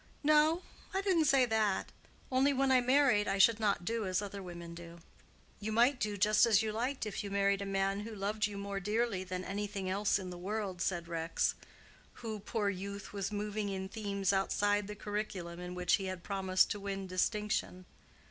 "No; I didn't say that. Only when I married, I should not do as other women do." "You might do just as you liked if you married a man who loved you more dearly than anything else in the world," said Rex, who, poor youth, was moving in themes outside the curriculum in which he had promised to win distinction.